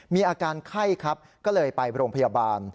มีอาการไข้ครับก็เลยไปโรงพยาบาล